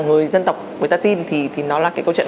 người dân tộc người ta tin thì nó là cái câu chuyện